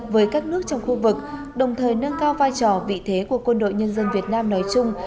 với các nước trong khu vực đồng thời nâng cao vai trò vị thế của quân đội nhân dân việt nam nói chung